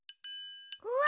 うわ！